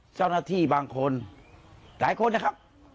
เจ้าหน้าที่บางคนหลายคนนะครับ